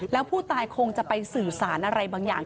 แล้วผู้ตายคงจะไปสื่อสารอะไรบางอย่าง